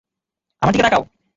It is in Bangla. আমার দিকে তাকাও!